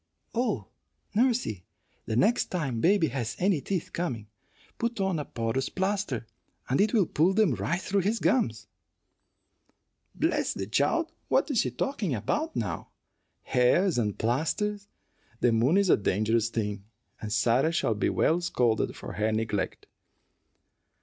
"Oh, nursey, the next time baby has any teeth coming, put on a porous plaster, and it will pull them right through his gums." "Bless the child! What is she talking about now? Hares and plasters! The moon is a dangerous thing, and Sarah shall be well scolded for her neglect."